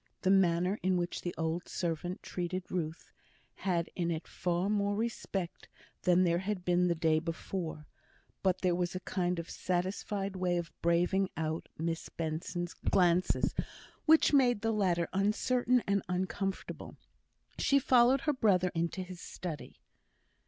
The manner in which the old servant treated Ruth had in it far more of respect than there had been the day before; but there was a kind of satisfied way of braving out Miss Benson's glances which made the latter uncertain and uncomfortable. She followed her brother into his study.